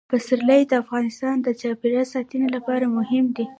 پسرلی د افغانستان د چاپیریال ساتنې لپاره مهم دي.